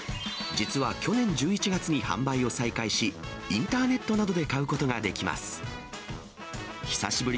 実は去年１１月に販売を再開し、インターネットなどで買うことができます。